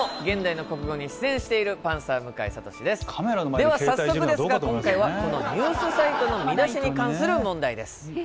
では早速ですが今回はこのニュースサイトの見出しに関する問題です。